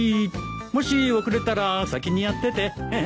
もし遅れたら先にやっててじゃあ。